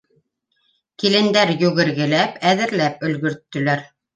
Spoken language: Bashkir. Килендәр йүгергеләп әҙерләп өлгөрттөләр.